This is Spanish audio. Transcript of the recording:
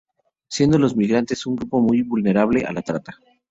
Siendo los migrantes un grupo muy vulnerable a la trata.